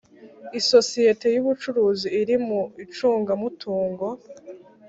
isosiyete y ubucuruzi iri mu icungamutungo.